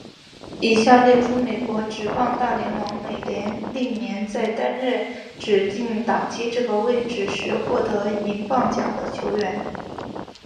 以下列出美国职棒大联盟美联历年在担任指定打击这个位置时获得银棒奖的球员。